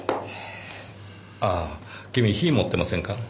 ああ君火持ってませんか？